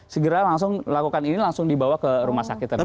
segera langsung lakukan ini langsung dibawa ke rumah sakit